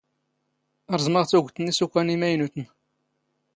ⵕⵥⵎⵖ ⵜⵓⴳⵜ ⵏ ⵉⵙⵓⴽⴰⵏ ⵉⵎⴰⵢⵏⵓⵜⵏ.